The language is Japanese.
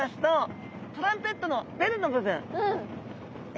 え